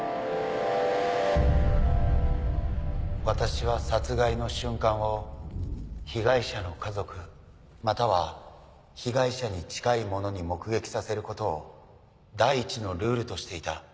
「私は殺害の瞬間を被害者の家族または被害者に近い者に目撃させることを第一のルールとしていた」。